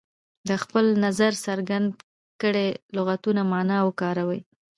د خپل نظر څرګند کړئ لغتونه معنا او وکاروي.